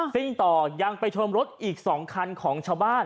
ต่อยังไปชนรถอีก๒คันของชาวบ้าน